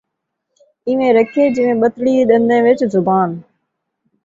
ایویں رکھے جیویں ٻتری ݙنداں وچ زبان